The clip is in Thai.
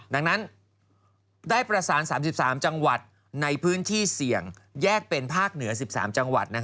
ดังนั้นได้ประสาน๓๓จังหวัดในพื้นที่เสี่ยงแยกเป็นภาคเหนือ๑๓จังหวัด